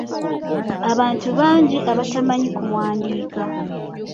Abantu bangi abatamanyi kuwandiika.